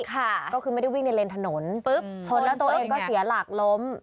ค่ะก็คือไม่ได้วิ่งในเลนถนนปุ๊บชนแล้วตัวเองก็เสียหลักล้ม